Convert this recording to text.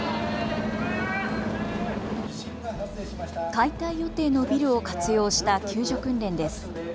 解体予定のビルを活用した救助訓練です。